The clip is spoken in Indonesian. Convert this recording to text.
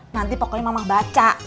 nanti pokoknya mama baca